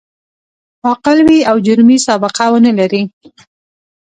عاقل وي او جرمي سابقه و نه لري.